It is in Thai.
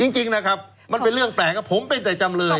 จริงนะครับมันเป็นเรื่องแปลกผมเป็นแต่จำเลย